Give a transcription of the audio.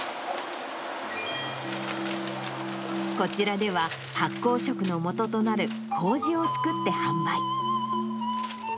こちらでは発酵食のもととなるこうじを造って販売。